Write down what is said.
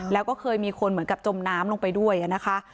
แล้วก็เคยมีคนเหมือนกับจมน้ำลงไปด้วยนะคะ